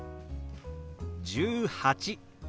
「１８」。